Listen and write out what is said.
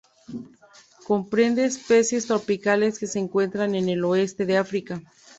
Comprende especies tropicales que se encuentran en el oeste de África.